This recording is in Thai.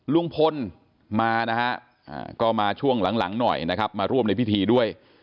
ลุงพลมานะฮะก็มาช่วงหลังหน่อยนะครับมาร่วมในพิธีด้วย